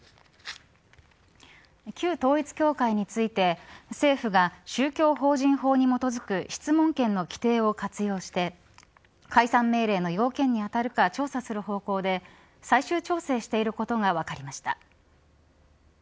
旧統一教会について政府が宗教法人法に基づく質問権の規定を活用して解散命令の要件に当たるか調査する方向で最終調整していることが分かりました。